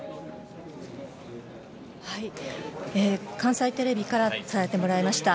関西テレビから伝えてもらいました。